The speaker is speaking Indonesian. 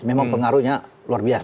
memang pengaruhnya luar biasa